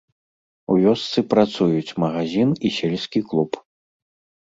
У вёсцы працуюць магазін і сельскі клуб.